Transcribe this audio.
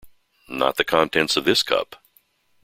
Not the contents of this cup.